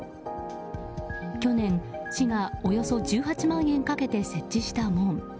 去年、市がおよそ１８万円かけて設置した門。